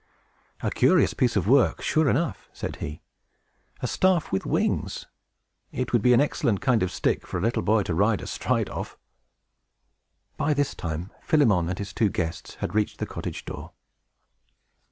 "A curious piece of work, sure enough!" said he. "A staff with wings! It would be an excellent kind of stick for a little boy to ride astride of!" By this time, Philemon and his two guests had reached the cottage door.